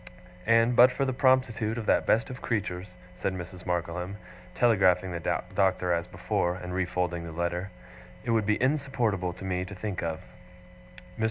And but for the promptitude of that best of creatures,' said Mrs. Markleham, telegraphing the Doctor as before, and refolding the letter, 'it would be insupportable to me to think of.' Mr.